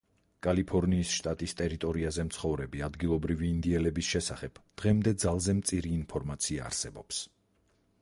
კალიფორნიის შტატის ტერიტორიაზე მცხოვრები ადგილობრივი ინდიელების შესახებ დღემდე ძალზე მწირი ინფორმაცია არსებობს.